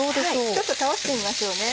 ちょっと倒してみましょうね。